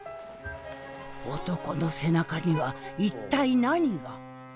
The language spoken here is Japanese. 男の背中には一体何が？